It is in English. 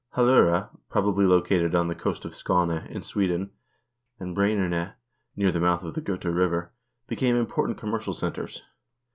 Hal0re, prob ably located on the coast of Skane, in Sweden, and Brann0erne, near the mouth of the Gota River, became important commercial centers.